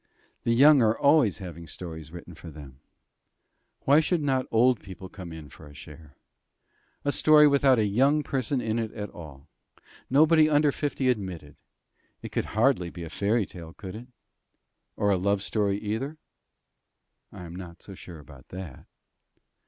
The young are always having stories written for them. Why should not the old people come in for a share? A story without a young person in it at all! Nobody under fifty admitted! It could hardly be a fairy tale, could it? Or a love story either? I am not so sure about that.